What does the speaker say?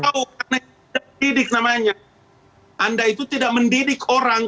tidak tahu karena tidak mendidik namanya anda itu tidak mendidik orang